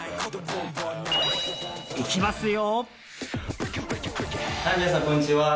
いきますよ！